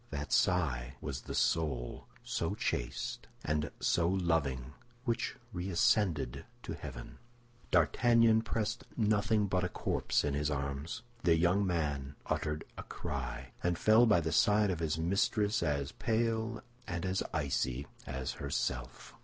That sigh was the soul, so chaste and so loving, which reascended to heaven. D'Artagnan pressed nothing but a corpse in his arms. The young man uttered a cry, and fell by the side of his mistress as pale and as icy as herself.